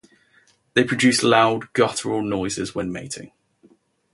They produce loud guttural noises while mating.